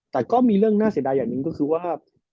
แต่ก็มีเรื่องน่าเสียดายอย่างหนึ่งก็คือว่า